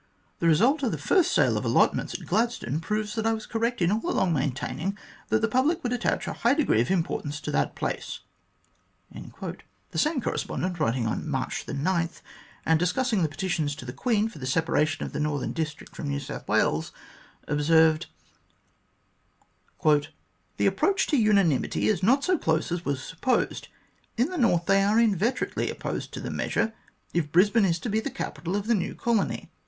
The result of the first sale of allotments at Gladstone proves that I was correct in all along maintaining that the public would attach a high degree of importance to that place." The same correspondent, writing on March 9, and discussing the petitions to the Queen for the separation of the northern district from New South Wales, observed :" The approach to unanimity is not so close as was supposed. Li the north they are inveterately opposed to the measure, if Brisbane is to be the capital of the new colony.